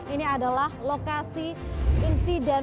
ini adalah lokasi insiden